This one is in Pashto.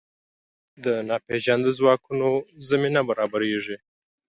د ناپېژاندو ځواکونو زمینه برابرېږي.